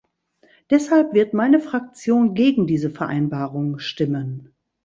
Deshalb wird meine Fraktion gegen diese Vereinbarung stimmen.